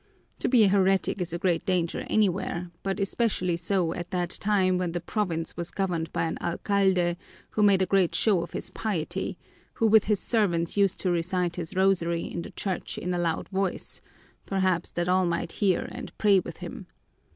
To be a heretic is a great danger anywhere, but especially so at that time when the province was governed by an alcalde who made a great show of his piety, who with his servants used to recite his rosary in the church in a loud voice, perhaps that all might hear and pray with him.